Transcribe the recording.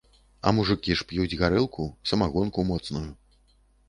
А мужыкі ж п'юць гарэлку, самагонку моцную.